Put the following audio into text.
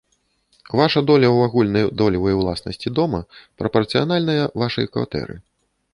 Ваша доля ў агульнай долевай уласнасці дома прапарцыянальная вашай кватэры.